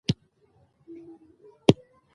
ډيپلوماسي د دولت د بهرني سیاست ښکارندویي کوي.